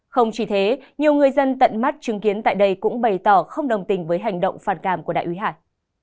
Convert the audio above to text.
không chỉ thế nhiều người dân tận mắt chứng kiến tại đây cũng bày tỏ không đồng tình với hành động phản cảm của đại úy hải